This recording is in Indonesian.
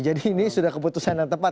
jadi ini sudah keputusan yang tepat